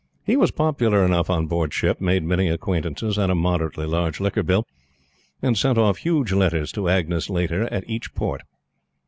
He was popular enough on board ship, made many acquaintances and a moderately large liquor bill, and sent off huge letters to Agnes Laiter at each port.